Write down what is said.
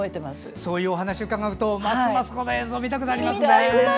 そのお話伺うとますますこの映像見たくなりますね。